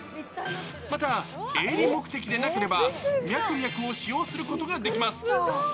また、営利目的でなければ、ミャクミャクを使用することができます。